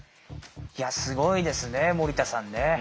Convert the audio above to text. いやすごいですね森田さんね。